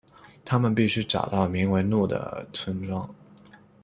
他们必须找到名为怒的村庄。